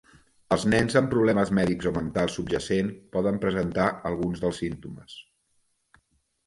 Els nens amb problemes mèdics o mentals subjacents poden presentar alguns dels símptomes.